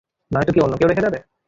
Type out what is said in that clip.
নয়তো কী অন্যে কেউ রেখে যাবে?